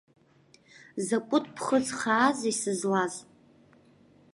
Закәытә ԥхыӡ хаази сызлаз!